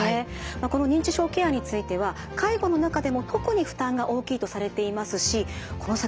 この認知症ケアについては介護の中でも特に負担が大きいとされていますしこの先